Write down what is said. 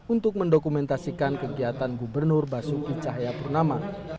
untuk mengakses kegiatan gubernur basuki cahaya purnama